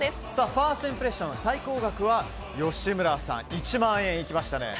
ファーストインプレッション最高額は吉村さん、１万円いきましたね。